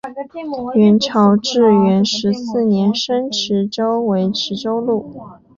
元朝至元十四年升池州为池州路。